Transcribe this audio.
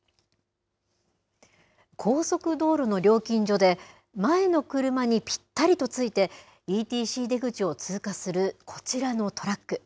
高速道路の料金所で、前の車にぴったりとついて、ＥＴＣ出口を通過するこちらのトラック。